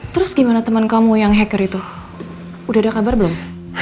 terus gimana teman kamu yang hacker itu udah ada kabar belum